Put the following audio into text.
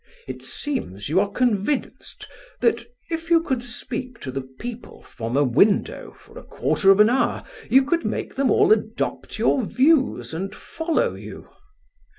It seems you are convinced that if you could speak to the people from a window for a quarter of an hour, you could make them all adopt your views and follow you?"